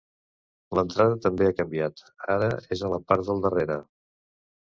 L'entrada també ha canviat, ara és a la part del darrere.